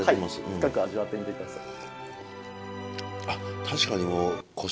深く味わってみてください。